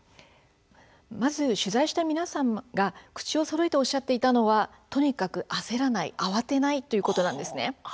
まず、取材した皆さんが口をそろえておっしゃっていたのはとにかく焦らない慌てないということなんです。